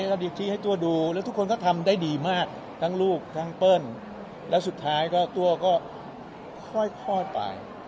ระเบียบชี้ให้ตัวดูแล้วทุกคนก็ทำได้ดีมากทั้งลูกทั้งเปิ้ลแล้วสุดท้ายก็ตัวก็ค่อยไป